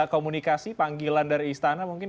komunikasi panggilan dari istana mungkin